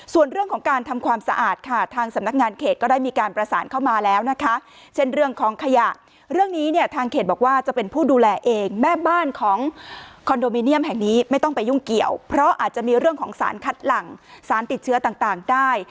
ส่วนเรื่องของการทำความสะอาดค่ะทางสำนักงานเขตก็ได้มีการประสานเข้ามาแล้วนะคะเช่นเรื่องของขยะเรื่องนี้เนี่ยทางเขตบอกว่าจะเป็นผู้ดูแลเองแม่บ้านของคอนโดมิเนียมแห่งนี้ไม่ต้องไปยุ่งเกี่ยวเพราะอาจจะมีเรื่องของสารคัดหลังสารติดเชื้อต่างได้